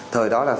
thời đó là